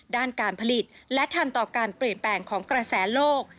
ด้านการผลิตและทันต่อการเปลี่ยนแปลงของกระแสโลก